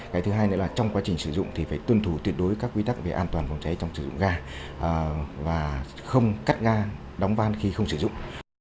cái thứ hai nữa là trong quá trình sử dụng thì phải tuân thủ tuyệt đối các quy tắc về an toàn phòng cháy trong sử dụng ga và không cắt ga đóng van khi không sử dụng